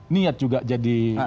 niat juga jadi